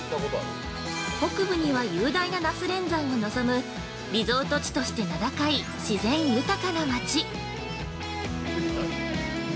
北部には雄大な那須連山を望むリゾート地として名高い自然豊かなまち。